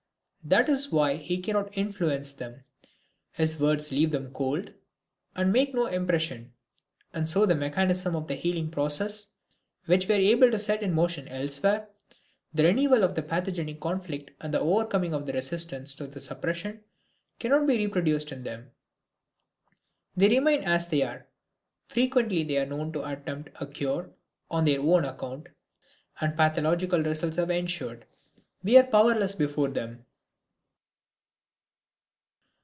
That is why he cannot influence them. His words leave them cold, make no impression, and so the mechanism of the healing process, which we are able to set in motion elsewhere, the renewal of the pathogenic conflict and the overcoming of the resistance to the suppression, cannot be reproduced in them. They remain as they are. Frequently they are known to attempt a cure on their own account, and pathological results have ensued. We are powerless before them.